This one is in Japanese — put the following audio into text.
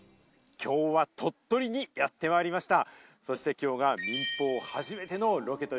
今日は鳥取にやってまいりました。